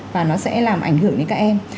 và nó sẽ làm ảnh hưởng đến các em